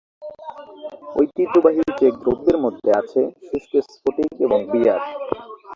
ঐতিহ্যবাহী চেক দ্রব্যের মধ্যে আছে সূক্ষ্ম স্ফটিক এবং বিয়ার।